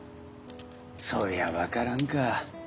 そりゃ分からんか。